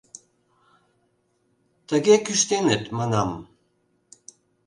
Тыге кӱштеныт, манам.